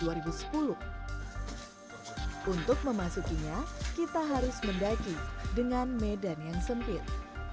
untuk memasukinya kita harus mendaki dengan medan yang sempit